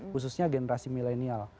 khususnya generasi milenial